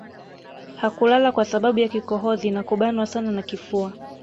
Hakulala kwa sababu ya kikohozi na kubanwa sana na kifua